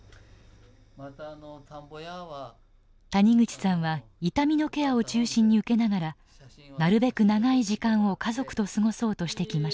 谷口さんは痛みのケアを中心に受けながらなるべく長い時間を家族と過ごそうとしてきました。